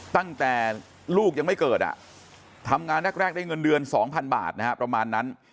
ตั้งแต่ลูกยังไม่เกิดทำงานแรกได้เงินเดือน๒๐๐๐บาทนะฮะประมาณนั้น